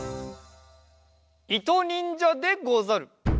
いとにんじゃでござる！